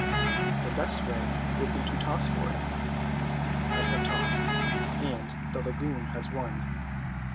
The best way will be to toss for it. I have tossed, and the lagoon has won.